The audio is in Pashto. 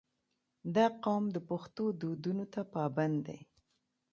• دا قوم د پښتو دودونو ته پابند دی.